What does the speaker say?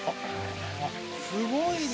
「すごいね！」